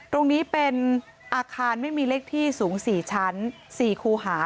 ตรงนี้เป็นอาคารไม่มีเลขที่สูง๔ชั้น๔คูหา